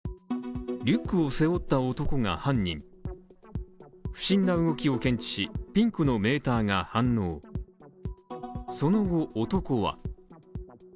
リュックを背負った男が犯人不審な動きを検知し、ピンクのメーターが反応し、その後、男は。